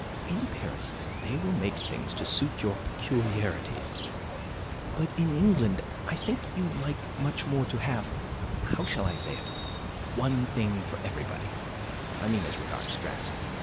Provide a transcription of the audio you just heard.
In Paris they will make things to suit your peculiarities; but in England I think you like much more to have how shall I say it? one thing for everybody. I mean as regards dress.